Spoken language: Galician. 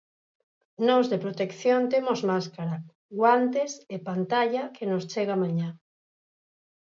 Nós de protección temos máscara, guantes a pantalla, que nos chega mañá.